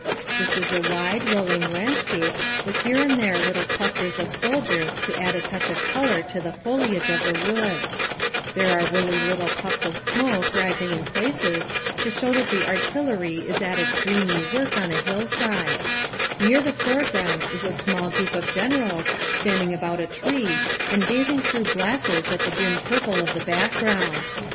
This is a wide, rolling landscape with here and there little clusters of soldiers to add a touch of colour to the foliage of the woods; there are woolly little puffs of smoke rising in places to show that the artillery is at its dreamy work on a hill side; near the foreground is a small group of generals standing about a tree and gazing through glasses at the dim purple of the background.